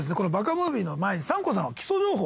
ムービーの前にサンコンさんの基礎情報。